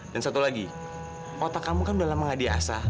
dan satu lagi otak kamu kan udah lama nggak di asah